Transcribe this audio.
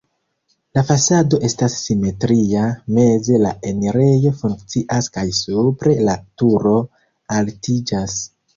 La fasado estas simetria, meze la enirejo funkcias kaj supre la turo altiĝas.